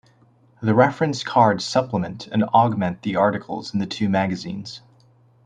The reference cards supplement and augment the articles in the two magazines.